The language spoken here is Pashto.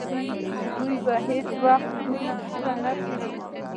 دوی به هیڅ وخت زړونه ښه نه کړي.